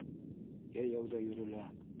Йәйәү аҙ йөрөлә.